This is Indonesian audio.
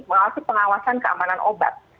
mengawasi pengawasan keamanan obat